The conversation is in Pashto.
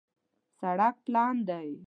سړک پلن دی